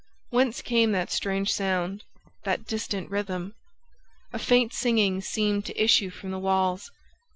Whence came that strange sound, that distant rhythm? ... A faint singing seemed to issue from the walls ...